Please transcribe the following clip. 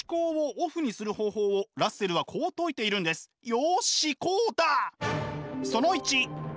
よしこうだ！